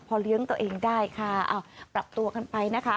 พอเลี้ยงตัวเองได้ค่ะปรับตัวกันไปนะคะ